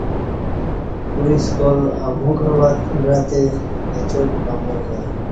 کوعی سکال اموکں وعتہ اچا ک پمو کں